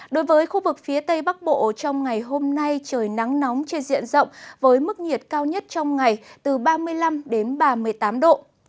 đối với khu vực phía tây bắc bộ trong ngày hôm nay trời nắng nóng trên diện rộng với mức nhiệt cao nhất trong ngày từ ba mươi năm đến ba mươi tám độ